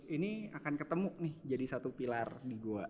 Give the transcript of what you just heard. ini akan ketemu nih jadi satu pilar di gua